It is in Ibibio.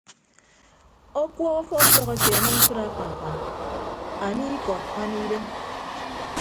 Ọkuọọk ọfiọfiọk ekeene mfịd akpaakpa anie ikọd anie idem.